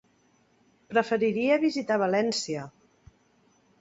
Preferiria visitar València.